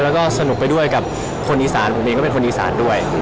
แล้วก็สนุกไปด้วยกับคนอีสานผมเองก็เป็นคนอีสานด้วย